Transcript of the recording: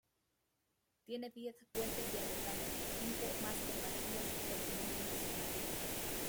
Tiene diez puentes de abordaje y cinco más compartidos con el muelle nacional.